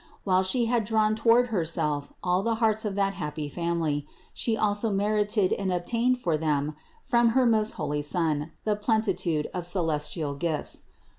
While She had drawn toward Herself all the hearts of that happy family, She also merited and obtained for them from her most holy Son the plenitude of celestial gifts.